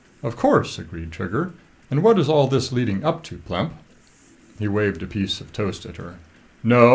"Of course," agreed Trigger. "And what is all this leading up to, Plemp?" He waved a piece of toast at her. "No.